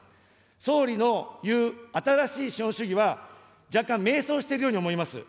総理の言う新しい資本主義は、若干、迷走しているように思います。